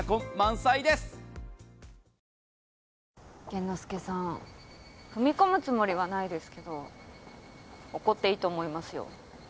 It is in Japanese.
玄之介さん踏み込むつもりはないですけど怒っていいと思いますよ。